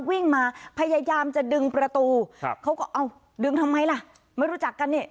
วิ่งมาพยายามจะดึงประตูครับเขาก็เอาดึงทำไมล่ะไม่รู้จักกันเนี่ย